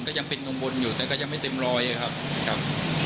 ก็ยังเป็นกังวลอยู่แต่ก็ยังไม่เต็มร้อยครับครับ